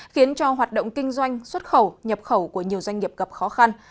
khiến cho hoạt động kinh doanh xuất khẩu nhập khẩu của nhiều doanh nghiệp gặp khó khăn